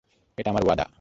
এটা আমার ওয়াদা।